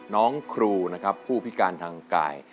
น้องครูผู้พิการทางกาย